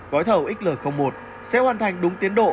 gói thầu xl một sẽ hoàn thành đúng tiến độ